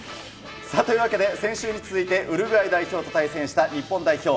さあ、というわけで先週に続いてウルグアイ代表と対戦した日本代表。